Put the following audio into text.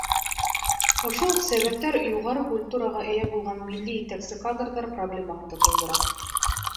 Ошо уҡ сәбәптәр юғары культураға эйә булған милли етәксе кадрҙар проблемаһын да тыуҙыра.